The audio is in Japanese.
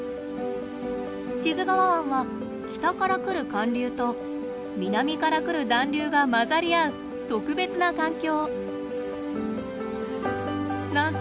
志津川湾は北から来る寒流と南から来る暖流が混ざり合う特別な環境。